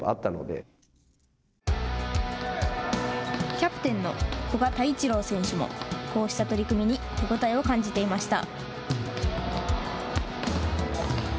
キャプテンの古賀太一郎選手もこうした取り組みに手応えを感じていました。